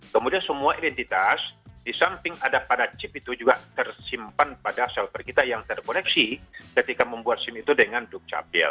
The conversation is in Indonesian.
kemudian semua identitas di samping ada pada chip itu juga tersimpan pada shelter kita yang terkoneksi ketika membuat sim itu dengan dukcapil